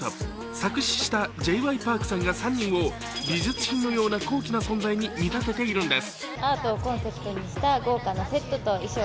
作詞したＪ．Ｙ．Ｐａｒｋさんが３人を美術品のような高貴な存在に見立てているんです。